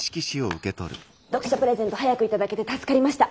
読者プレゼント早く頂けて助かりました。